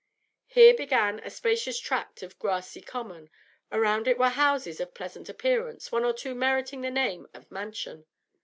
Here began a spacious tract of grassy common; around it were houses of pleasant appearance, one or two meriting the name of mansion.